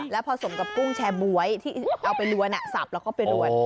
แล้วพอสมกับกุ้งแชร์บ๊วยที่เอาไปลวนสับแล้วก็ไปรวน